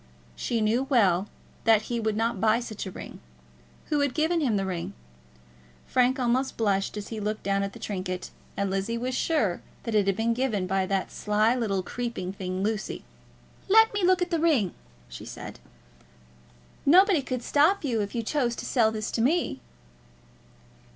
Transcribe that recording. She knew well that he would not buy such a ring. Who had given him the ring? Frank almost blushed as he looked down at the trinket, and Lizzie was sure that it had been given by that sly little creeping thing, Lucy. "Let me look at the ring," she said. "Nobody could stop you if you chose to sell this to me."